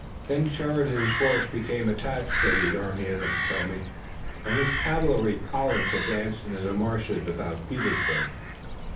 Then Sheridan's force became attached to the Army of the Potomac, and his cavalry columns advanced into the marshes about Petersburg.